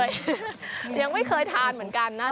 ยังไม่เคยทานเหมือนกันนะ